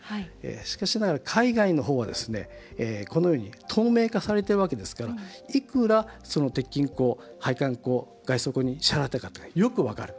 しかしながら、海外の方は透明化されているわけですからいくら鉄筋工、配管工、外装工に外装工に支払ったかがよく分かる。